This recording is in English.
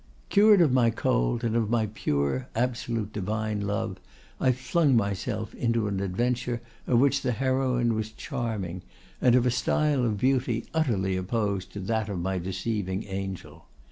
"Cured of my cold, and of my pure, absolute, divine love, I flung myself into an adventure, of which the heroine was charming, and of a style of beauty utterly opposed to that of my deceiving angel.